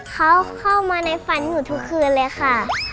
เขาเข้ามาในฝันหนูทุกคืนเลยค่ะ